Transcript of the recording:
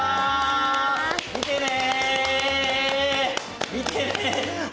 見てね！